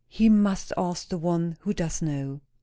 "He must ask the One who does know."